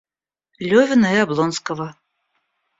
Левина и Облонского.